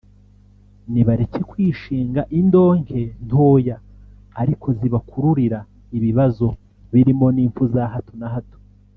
nibareke kwishinga indonke ntoya ariko zibakururira ibibazo birimo n’impfu za hato na hato